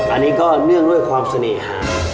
อันนี้ก็เนื่องด้วยความเสน่หา